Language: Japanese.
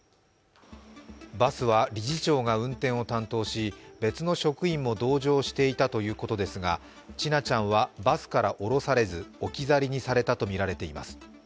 バスは理事長が運転を担当し、別の職員も同乗していたということですが千奈ちゃんはバスから降ろされず、置き去りにされたとみられています。